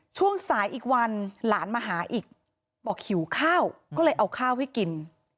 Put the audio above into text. ช่วงสายอีกวันหลานมาหาอีกบอกหิวข้าวก็เลยเอาข้าวให้กิน